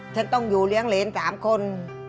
ฉันต้องอยู่เลี้ยงเหรน๓คน